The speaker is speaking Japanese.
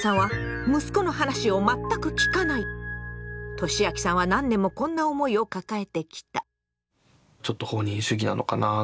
としあきさんは何年もこんな思いを抱えてきた。